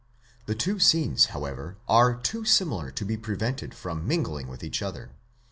The two scenes, however, are too similar to be prevented from mingling with each other.